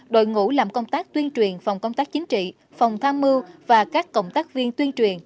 đội ngũ làm công tác tuyên truyền phòng công tác chính trị phòng tham mưu và các cộng tác viên tuyên truyền